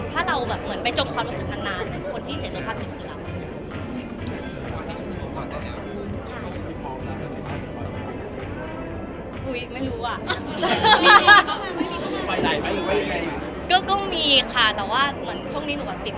ถ้าเราแบบไปจมความรู้สึกนั้นนานคนที่เสียจงขับจิตที่หลับ